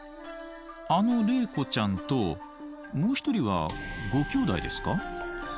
あの麗子ちゃんともう１人はごきょうだいですか？